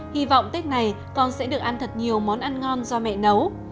hy vọng tết này con sẽ được ăn thật nhiều món ăn ngon do mẹ nấu